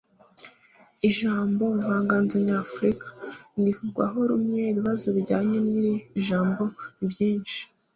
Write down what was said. ijambo 'ubuvanganzo nyafurika' ntivugwaho rumwe ibibazo bijyanye n'iri jambo ni byinshi